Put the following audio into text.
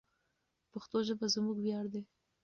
پښتو ژبه زموږ ویاړ دی.